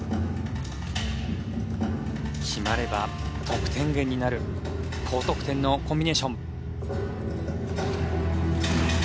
決まれば得点源になる高得点のコンビネーション。